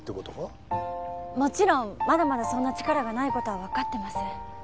もちろんまだまだそんな力がない事はわかってます。